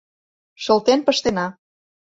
Шылтен пыштена.